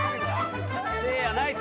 せいやナイス！